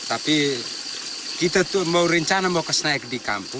tapi kita tuh mau rencana mau kesana di kamp